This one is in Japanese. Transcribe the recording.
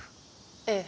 ええ。